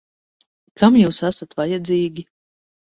Kam jūs esat vajadzīgi?